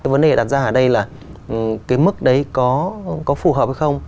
vấn đề đặt ra ở đây là cái mức đấy có phù hợp hay không